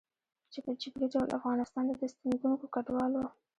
چې په جبري ډول افغانستان ته د ستنېدونکو کډوالو